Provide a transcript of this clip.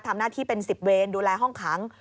ทำหน้าที่เป็น๑๐เวรดูแลห้องขัง